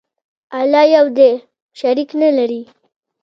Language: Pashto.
الله یو دی، شریک نه لري.